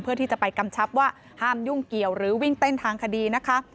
เพื่อที่จะไปกำชับว่าห้ามยุ่งเกี่ยวหรือวิ่งเต้นทางคดีนะคะ